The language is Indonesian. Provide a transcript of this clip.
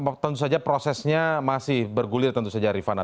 ya baik itu tentu saja prosesnya masih bergulir tentu saja rifana